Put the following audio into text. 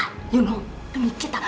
kamu tahu demi kita